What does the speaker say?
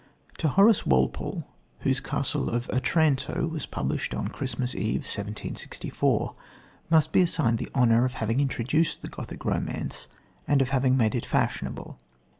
To Horace Walpole, whose Castle of Otranto was published on Christmas Eve, 1764, must be assigned the honour of having introduced the Gothic romance and of having made it fashionable.